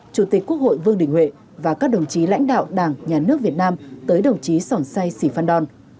chủ tịch quốc hội vương đình huệ và các đồng chí lãnh đạo đảng nhà nước việt nam tới đồng chí sòn say sì phan đòn